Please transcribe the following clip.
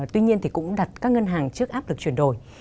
tuy nhiên thì cũng đặt các ngân hàng trước áp lực chuyển đổi